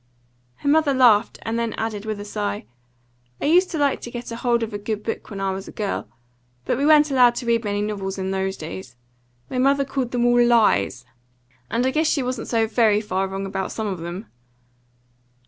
Her mother laughed, and then added, with a sigh: "I used to like to get hold of a good book when I was a girl; but we weren't allowed to read many novels in those days. My mother called them all LIES. And I guess she wasn't so very far wrong about some of them."